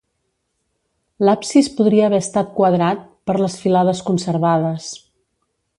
L'absis podria haver estat quadrat, per les filades conservades.